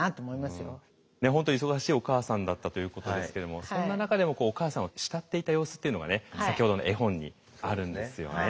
本当に忙しいお母さんだったということですけれどもそんな中でもお母さんを慕っていた様子っていうのが先ほどの絵本にあるんですよね。